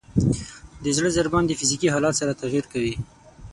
د زړه ضربان د فزیکي حالت سره تغیر کوي.